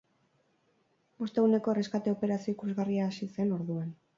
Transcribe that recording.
Bost eguneko erreskate operazio ikusgarria hasi zen, orduan.